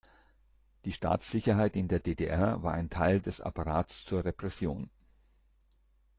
Die Staatssicherheit in der D-D-R war ein Teil des Apparats zur Repression.